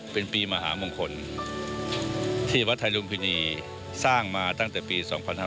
เป็นปีมหามงคลที่วัดไทยลุมพินีสร้างมาตั้งแต่ปี๒๕๕๙